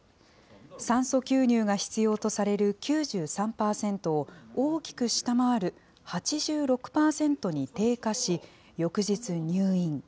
酸素吸入が必要とされる９３％を大きく下回る８６％に低下し、翌日、入院。